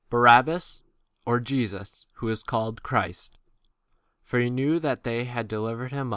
Barabbas, or Jesus which is called Christ? For he knew that for envy they had delivered him.